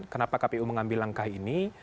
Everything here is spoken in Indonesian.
kenapa kpu mengambil langkah ini